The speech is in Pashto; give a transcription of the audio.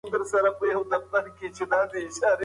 تیاره به هیڅکله د رڼا مخه ونه نیسي.